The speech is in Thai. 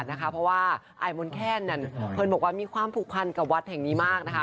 เพราะว่าอายมนต์แคนเพลินบอกว่ามีความผูกพันกับวัดแห่งนี้มากนะคะ